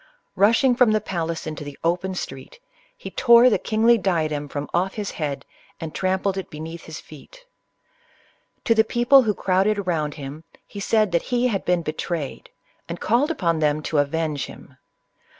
Rushing from the palace intd the open street, he tore the kingly diadem from off his head, and trampled it beneath his feet. To the people who crowded round him, he said that he had been be trayed, and called upon them to avenge him.